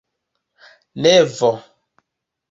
nevo